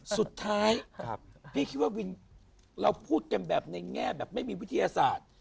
สุดท้ายพี่คิดว่าวินเราพูดกันแบบในแง่แบบไม่มีวิทยาศาสตร์